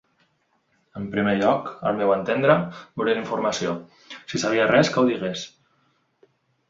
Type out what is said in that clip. En primer lloc, al meu entendre, volien informació: si sabia res, que ho digués.